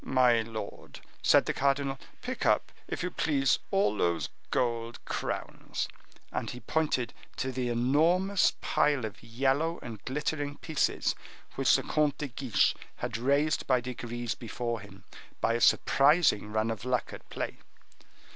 "My lord," said the cardinal, "pick up, if you please, all those gold crowns." And he pointed to the enormous pile of yellow and glittering pieces which the Comte de Guiche had raised by degrees before him by a surprising run of luck at play.